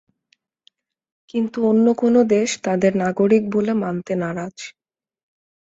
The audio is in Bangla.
কিন্তু অন্য কোনো দেশ তাঁদের নাগরিক বলে মানতে নারাজ।